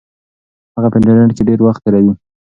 هغه په انټرنیټ کې ډېر وخت تیروي.